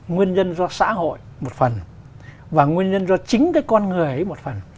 nguyên nhân do xã hội một phần và nguyên nhân do chính cái con người ấy một phần